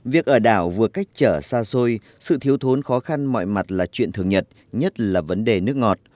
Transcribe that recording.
việc ở đảo vừa cách trở xa xôi sự thiếu thốn khó khăn mọi mặt là chuyện thường nhật nhất là vấn đề nước ngọt